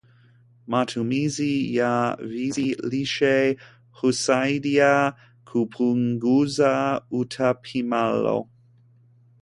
matumizi ya viazi lishe husaidia kupunguza utapiamlo